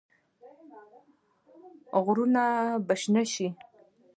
غرونه به شنه شي.